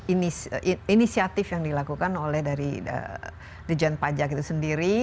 ini inisiatif yang dilakukan oleh dari dijen pajak itu sendiri